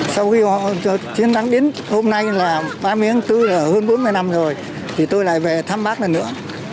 sau khi đến hôm nay là ba miếng tư là hơn bốn mươi năm rồi thì tôi lại về tăm bác lần nữa